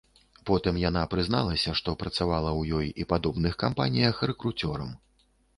Потым яна прызналася, што працавала ў ёй і падобных кампаніях рэкруцёрам.